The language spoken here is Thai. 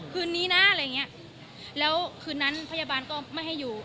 คืนนี้นะอะไรอย่างเงี้ยแล้วคืนนั้นพยาบาลก็ไม่ให้อยู่